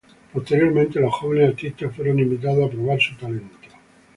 Posteriormente, los jóvenes artistas fueron invitados a probar su talento.